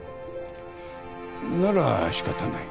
ならしかたない。